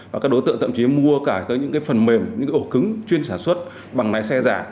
và các đối tượng thậm chí mua cả những phần mềm những cái ổ cứng chuyên sản xuất bằng lái xe giả